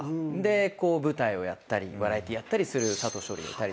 舞台をやったりバラエティーやったりする佐藤勝利がいたり。